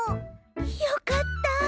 よかった。